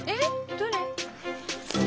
どれ？